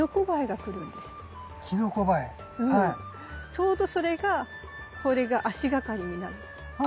ちょうどそれがこれが足がかりになる花びらが。